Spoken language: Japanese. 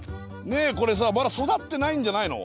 ねえこれさまだ育ってないんじゃないの？